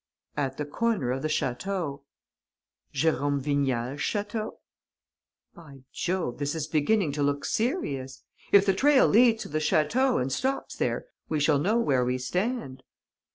"At the corner of the château." "Jérôme Vignal's château?" "By Jove, this is beginning to look serious! If the trail leads to the château and stops there, we shall know where we stand."